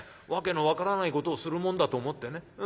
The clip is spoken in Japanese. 訳の分からないことをするもんだと思ってね。